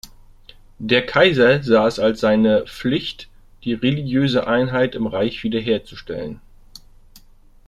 Der Kaiser sah es als seine Pflicht, die religiöse Einheit im Reich wiederherzustellen.